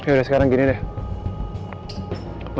masih ada satu lagi yang harus kita lakukan ya